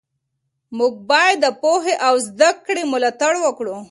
موږ باید د پوهې او زده کړې ملاتړ وکړو.